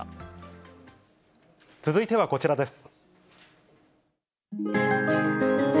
続いてはこちらです。